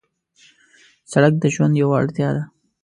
سړک د ژوند یو اړتیا ده.